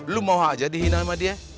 lu mau aja dihina sama dia